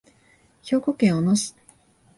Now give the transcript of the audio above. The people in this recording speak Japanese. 兵庫県小野市